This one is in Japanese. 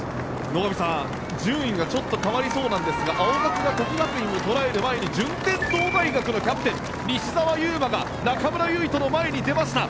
野上さん、順位がちょっと変わりそうなんですが青学が國學院を捉える前に順天堂大学のキャプテン西澤侑真が中村唯翔の前に出ました。